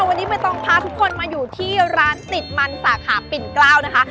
วันนี้ไม่ต้องพาทุกคนมาอยู่ที่ร้านติดมันสาขาปิ่นเกล้านะคะ